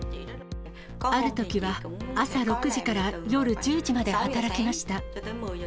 あるときは、朝６時から夜１０時まで働きました。